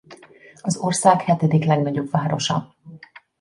Az ország hetedik legnagyobb városa.